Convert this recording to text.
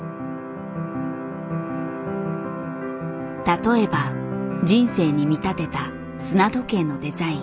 例えば人生に見立てた砂時計のデザイン。